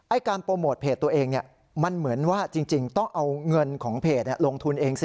การโปรโมทเพจตัวเองเนี่ยมันเหมือนว่าจริงต้องเอาเงินของเพจลงทุนเองสิ